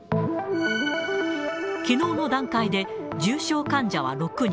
きのうの段階で、重症患者は６人。